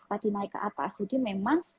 tadi naik ke atas jadi memang